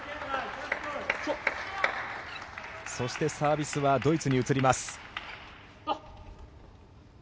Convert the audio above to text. そしてサービスはドイツに移ります。